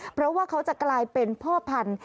เพราะว่าเขาจะกลายเป็นพ่อพันธุ